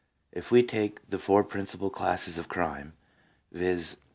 If we take the four principal classes of crime — viz.